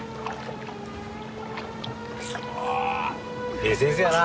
・ええ先生やな